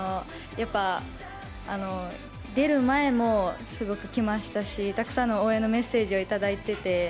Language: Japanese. やっぱり、出る前もすごく来ましたしたくさんの応援のメッセージをいただいてて。